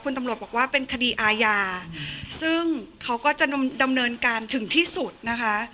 คุณตำรวจบอกว่าเป็นคดีอาญาซึ่งเขาก็จะดำเนินการถึงที่สุดนะคะ